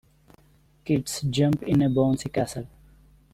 Kids jump in a bouncy castle.